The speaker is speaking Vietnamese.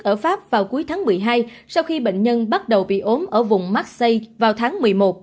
tổ chức ở pháp vào cuối tháng một mươi hai sau khi bệnh nhân bắt đầu bị ốm ở vùng marseille vào tháng một mươi một